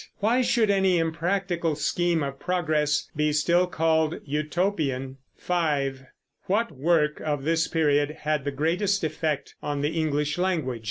Why should any impractical scheme of progress be still called Utopian? 5. What work of this period had the greatest effect on the English language?